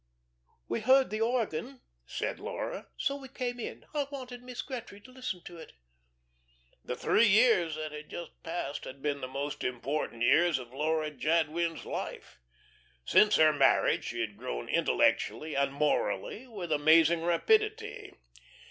"We heard the organ," said Laura, "so we came in. I wanted Mrs. Gretry to listen to it." The three years that had just passed had been the most important years of Laura Jadwin's life. Since her marriage she had grown intellectually and morally with amazing rapidity.